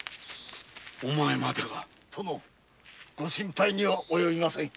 お前までが！？ご心配にはおよびませぬ。